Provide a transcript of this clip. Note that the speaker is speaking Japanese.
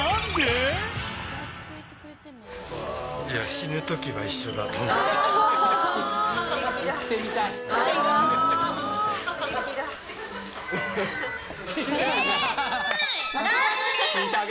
死ぬときは一緒だと思って。